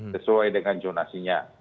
sesuai dengan jonasinya